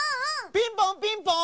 ピンポンピンポン！